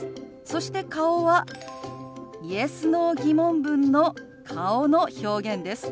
そして顔はＹｅｓ／Ｎｏ−疑問文の顔の表現です。